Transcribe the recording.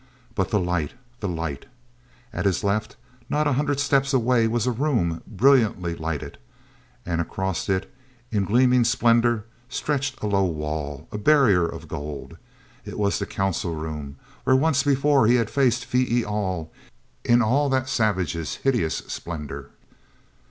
But the light—the light! At his left, not a hundred steps away, was a room, brilliantly lighted. And across it, in gleaming splendor, stretched a low wall—a barrier of gold. It was the council room, where once before he had faced Phee e al in all that savage's hideous splendor.